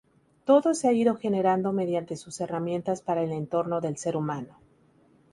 Todo se ha ido generando mediante sus herramientas para el entorno del ser humano.